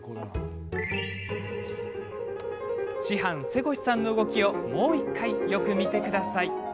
師範、瀬越さんの動きをもう１回よく見てください。